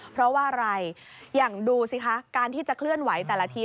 เพราะว่าอะไรอย่างดูสิคะการที่จะเคลื่อนไหวแต่ละที